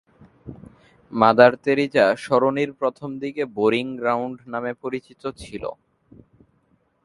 Mother Teresa সরণি প্রথমদিকে Burying Ground Road নামে পরিচিত ছিল।